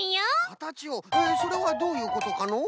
かたちをそれはどういうことかのう？